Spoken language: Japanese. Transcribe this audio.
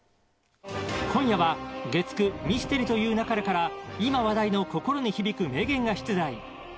今夜は月９「ミステリと言う勿れ」から今話題の心に響く名言が出題。